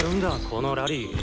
このラリー。